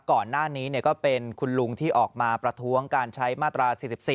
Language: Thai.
ก่อนหน้านี้ก็เป็นคุณลุงที่ออกมาประท้วงการใช้มาตรา๔๔